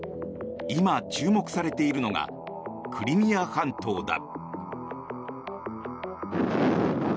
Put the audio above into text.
今、注目されているのがクリミア半島だ。